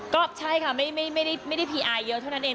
ก็ใช่ค่ะไม่ได้พีอายเยอะเท่านั้นเอง